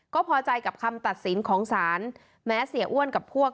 ก็พอใจกับคำตัดสินของศาลแม้เสียอ้วนกับพวก